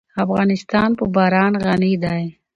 افغانستان په باران غني دی.